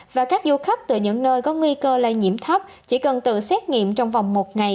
và các du khách từ những nơi có nguy cơ lây nhiễm thấp chỉ cần tự xét nghiệm trong vòng một ngày